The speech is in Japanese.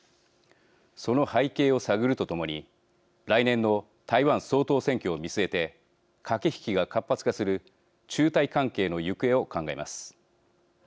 その背景を探るとともに来年の台湾総統選挙を見据えて駆け引きが活発化する中台関係の行方を考えます。